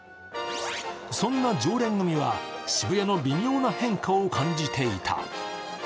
そんな常連組は、渋谷の微妙な変化を感じていた。